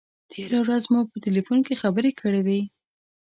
تېره ورځ مو په تیلفون کې خبرې کړې وې.